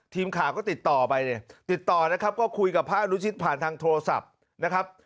ทีมข่าวก็ติดต่อไปเนี่ยติดต่อนะครับก็คุยกับพระอนุชิตผ่านทางโทรศัพท์นะครับ